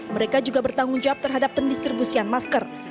mereka juga bertanggung jawab terhadap pendistribusian masker